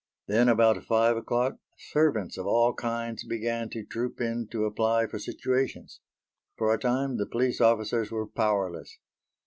Then, about five o'clock servants of all kinds began to troop in to apply for situations. For a time the police officers were powerless.